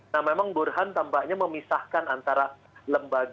nah memang burhan tampaknya memisahkan antara lembaga